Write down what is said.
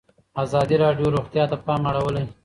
ازادي راډیو د روغتیا ته پام اړولی.